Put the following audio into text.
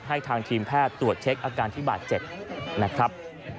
ให้ทางทีมแพทย์ตรวจเช็คอาการที่บาดเจ็บนะครับ